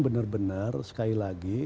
benar benar sekali lagi